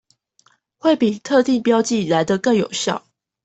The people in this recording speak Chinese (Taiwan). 會比特定標記來得更有效